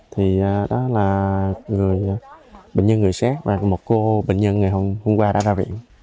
thì đó là bệnh nhân người xét và một cô bệnh nhân ngày hôm qua đã ra viện